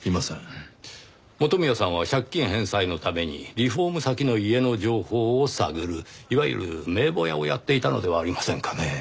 元宮さんは借金返済のためにリフォーム先の家の情報を探るいわゆる名簿屋をやっていたのではありませんかね？